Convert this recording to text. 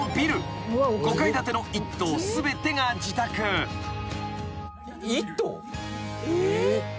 ［５階建ての１棟全てが自宅］えっ！？